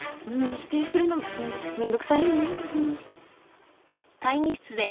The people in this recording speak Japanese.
否定するのめんどくさいね。